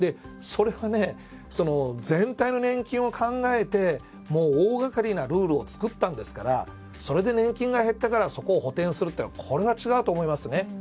それは、全体の年金を考えて大がかりなルールを作ったんですからそれで年金が減ったからそこを補填するというのはこれは違うと思いますね。